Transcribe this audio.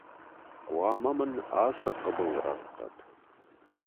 Хъуамӕ мын ацы хъыбыл раттат!..